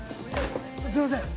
すいません！